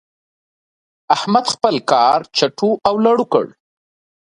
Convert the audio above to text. احمد خپل کار چټو او لړو کړ.